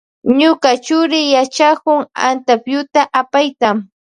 Ñuka churi yachakukun antapyuta apayta.